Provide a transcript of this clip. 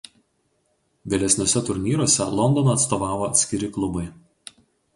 Vėlesniuose turnyruose Londoną atstovavo atskiri klubai.